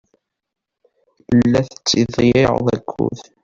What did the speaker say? La tettḍeyyiɛeḍ akud.